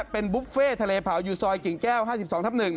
เป็นบุฟเฟ่ทะเลเผาอยู่ซอยกิ่งแก้ว๕๒ทับ๑